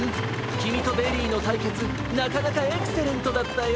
きみとベリーのたいけつなかなかエクセレントだったよ！